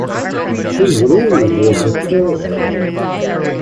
His rule was terrible.